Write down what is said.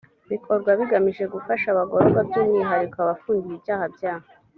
bikorwa bigamije gufasha abagororwa by umwihariko abafungiwe ibyaha bya